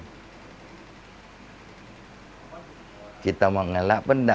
profesi sehari hari ajung menjadi tatung ya lah kalau orang yang kena tatung gitu lah